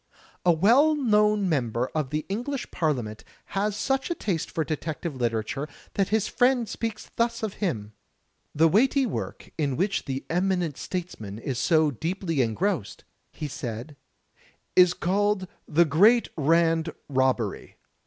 A well known member of the English Parliament has such a taste for detective literature that his friend speaks thus of him: "The weighty work in which the eminent statesman is so deeply engrossed," he said, "is called *The Great Rand Robbery.'